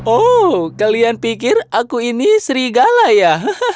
oh kalian pikir aku ini serigala ya